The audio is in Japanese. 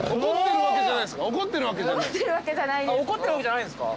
怒ってるわけじゃないですか？